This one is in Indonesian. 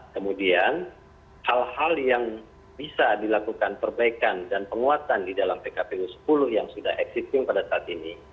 kemudian hal hal yang bisa dilakukan perbaikan dan penguatan di dalam pkpu sepuluh yang sudah existing pada saat ini